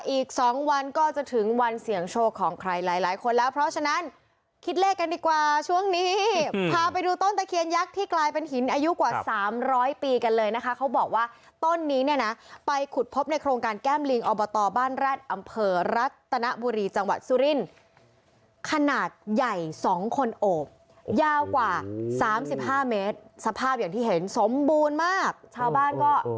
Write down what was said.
อีกสองวันก็จะถึงวันเสี่ยงโชคของใครหลายคนแล้วเพราะฉะนั้นคิดเลขกันดีกว่าช่วงนี้พาไปดูต้นตะเคียนยักษ์ที่กลายเป็นหินอายุกว่าสามร้อยปีกันเลยนะคะเขาบอกว่าต้นนี้เนี่ยนะไปขุดพบในโครงการแก้มลิงอบตบ้านแรดอำเภอรัตนบุรีจังหวัดซุรินขนาดใหญ่สองคนโอบยาวกว่าสามสิบห้าเมตรสภา